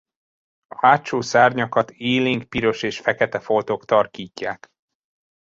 A hátsó szárnyakat élénk piros és fekete foltok tarkítják.